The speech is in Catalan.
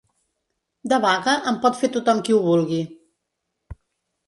De vaga, en pot fer tothom qui ho vulgui.